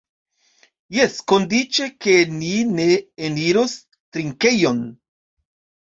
Jes, kondiĉe, ke ni ne eniros trinkejon.